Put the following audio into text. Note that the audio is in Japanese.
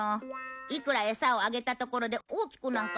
いくらエサをあげたところで大きくなんかならない。